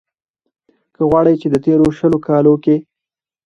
که غواړۍ ،چې د تېرو شلو کالو کې